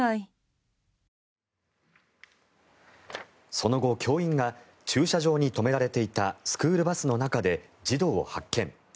その後、教員が駐車場に止められていたスクールバスの中で児童を発見。